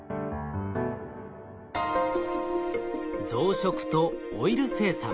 増殖とオイル生産。